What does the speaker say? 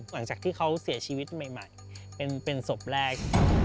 หลังจากที่เขาเสียชีวิตใหม่เป็นศพแรก